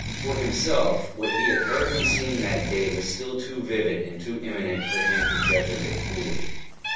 For himself, what he had heard and seen that day was still too vivid and too imminent for him to judge of it coolly.